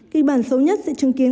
kịch bản xấu nhất sẽ chứng kiến